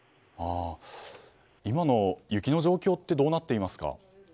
今の雪の状況ってどうなっていますか？